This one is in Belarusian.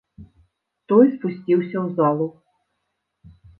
Той спусціўся ў залу.